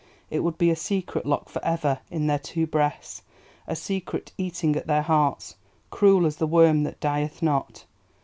It would be a secret locked for ever in their two breasts, a secret eating at their hearts, cruel as the worm that dieth not.